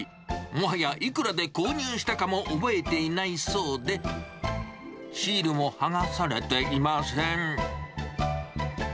もはやいくらで購入したかも覚えていないそうで、シールも剥がされていません。